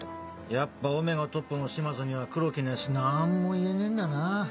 やっぱΩトップの島津には黒木のヤツ何も言えねえんだな。